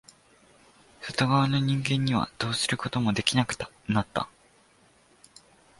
外側の人間にはどうすることもできなくなった。